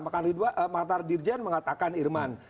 mantar dirjen mengatakan irman